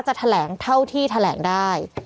จะแถลงเท่าที่แถลงได้